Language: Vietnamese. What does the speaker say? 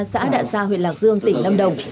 xã đạ sa huyện lạc dương tỉnh lâm đồng